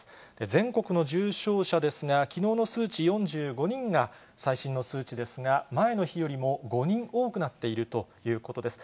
全国の重症者ですが、きのうの数値４５人が最新の数値ですが、前の日よりも５人多くなっているということです。